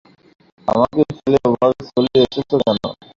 আমাকে ফেলে ওভাবে চলে এসেছ কেন?